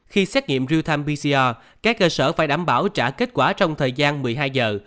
khi xét nghiệm real time pcr các cơ sở phải đảm bảo trả kết quả trong thời gian một mươi hai giờ